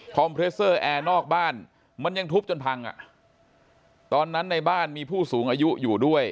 เพรสเซอร์แอร์นอกบ้านมันยังทุบจนพังอ่ะตอนนั้นในบ้านมีผู้สูงอายุอยู่ด้วย